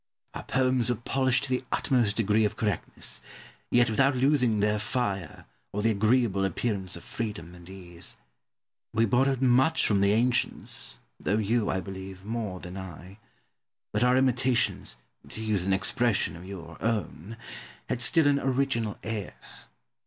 Our poems were polished to the utmost degree of correctness, yet without losing their fire, or the agreeable appearance of freedom and ease. We borrowed much from the ancients, though you, I believe, more than I; but our imitations (to use an expression of your own) had still an original air.